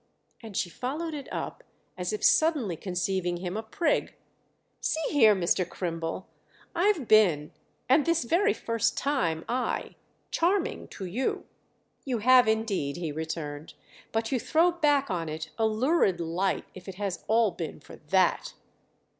And she followed it up—as if suddenly conceiving him a prig. "See here, Mr. Crimble, I've been—and this very first time I—charming to you." "You have indeed," he returned; "but you throw back on it a lurid light if it has all been for that!"